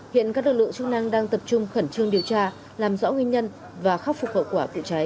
hiện các lực lượng chức năng đang tập trung khẩn trương điều tra làm rõ nguyên nhân và khắc phục hậu quả của cháy